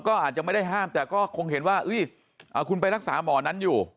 ก็อาจจะไม่ได้ห้ามแต่ก็คงเห็นว่าคุณไปรักษาหมอนั้นอยู่